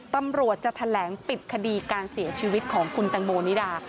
ตำรวจจะแถลงปิดคดีการเสียชีวิตของคุณแตงโมนิดาค่ะ